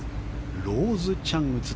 ローズ・チャンです。